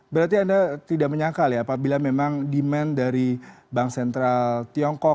berarti anda tidak menyangkal ya apabila memang demand dari bank sentral tiongkok